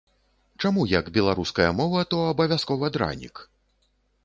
Чаму як беларуская мова, то абавязкова дранік?